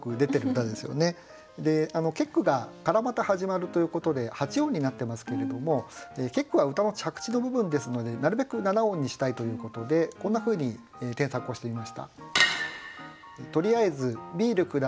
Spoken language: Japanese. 始まる」ということで８音になってますけれども結句は歌の着地の部分ですのでなるべく７音にしたいということでこんなふうに添削をしてみました。